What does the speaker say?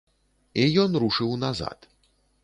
І ён рушыў назад.